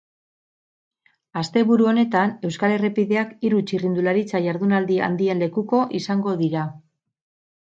Asteburu honetan euskal errepideak hiru txirrindularitza jardunaldi handien lekuko izango dira.